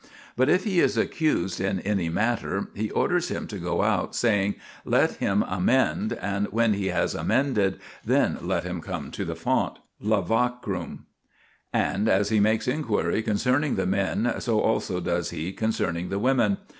But if he is accused in any matter, he orders him to go out, saying :" Let him amend, and when he has amended then let him come to the font (lavacrum}." And as he makes inquiry con cerning the men, so also does he concerning the women.